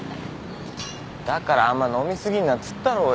だからあんま飲み過ぎんなっつったろうよ。